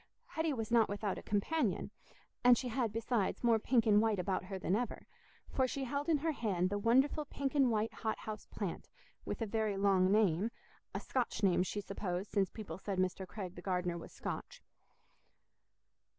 Hetty was not without a companion, and she had, besides, more pink and white about her than ever, for she held in her hand the wonderful pink and white hot house plant, with a very long name—a Scotch name, she supposed, since people said Mr. Craig the gardener was Scotch.